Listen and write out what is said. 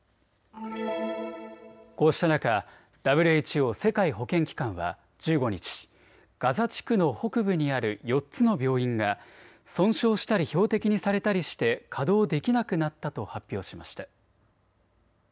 こうした中、ＷＨＯ・世界保健機関は１５日、ガザ地区の北部にある４つの病院が損傷したり標的にされたりして稼働できなくなったと発表しました。